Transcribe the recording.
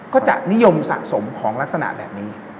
ก็จะนิยมสะสมของลักษณะแบบนี้